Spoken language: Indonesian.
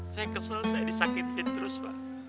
saya kesel saya disakitin terus pak